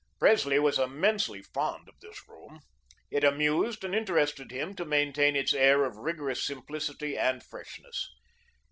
Presley was immensely fond of this room. It amused and interested him to maintain its air of rigorous simplicity and freshness.